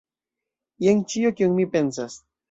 Jen ĉio, kion mi pensas.